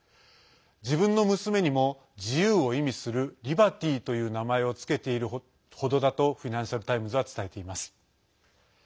自分の娘にも、自由を意味するリバティーという名前を付けているほどだとフィナンシャル・タイムズは伝えています。